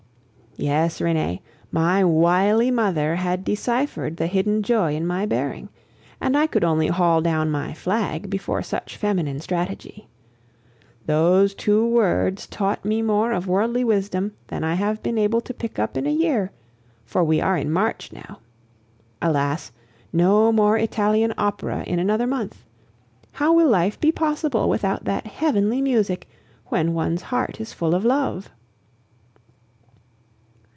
Yes, Renee, my wily mother had deciphered the hidden joy in my bearing, and I could only haul down my flag before such feminine strategy. Those two words taught me more of worldly wisdom than I have been able to pick up in a year for we are in March now. Alas! no more Italian opera in another month. How will life be possible without that heavenly music, when one's heart is full of love?